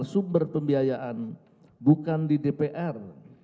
sumber pembiayaan bukan di dpr